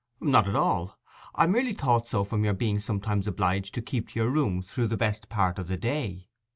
'Not at all; I merely thought so from your being sometimes obliged to keep your room through the best part of the day.